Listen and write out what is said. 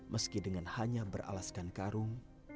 meski dengan hanya beralaskan karung